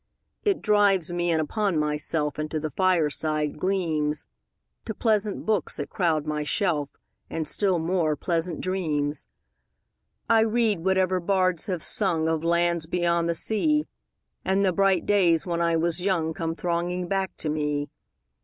It drives me in upon myself 5 And to the fireside gleams, To pleasant books that crowd my shelf, And still more pleasant dreams. I read whatever bards have sung Of lands beyond the sea, 10 And the bright days when I was young Come thronging back to me.